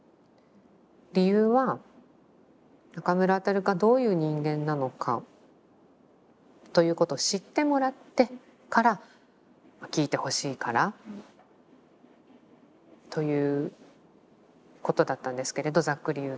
理由は中村中がどういう人間なのかということを知ってもらってから聴いてほしいからということだったんですけれどざっくり言うと。